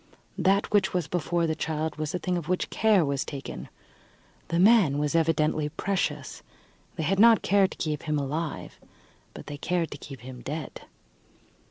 That which was before the child was a thing of which care was taken: the man was evidently precious. They had not cared to keep him alive, but they cared to keep him dead.